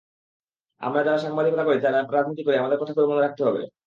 আমরা যারা সাংবাদিকতা করি, যারা রাজনীতি করি, আমাদের কথাগুলো মনে রাখতে হবে।